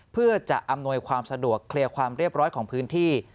เพื่อจะอำนวยความสะดวกเคลียร์ความเรียบร้อยของพื้นที่